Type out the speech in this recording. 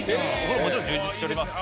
これもちろん充実しております。